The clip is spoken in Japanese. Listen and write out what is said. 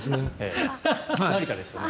成田ですよね。